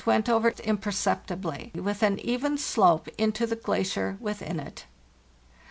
LAND AT LAST 345 over imperceptibly with an even slope into the glacier within it.